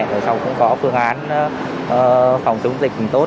để sau cũng có phương án phòng chống dịch tốt